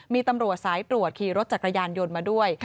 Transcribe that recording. มีตำรวจสายตรวจขี่รถจักรยานยนต์มาด้วย